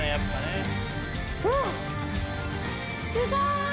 すごい！